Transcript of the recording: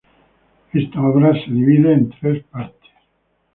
Esta obra se divide en tres partes.